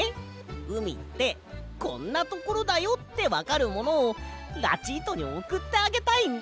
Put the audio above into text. うみってこんなところだよってわかるものをラチートにおくってあげたいんだ。